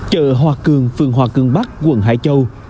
chợ hoa cường phường hoa cường bắc quận hải châu